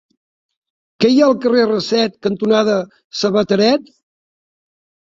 Què hi ha al carrer Raset cantonada Sabateret?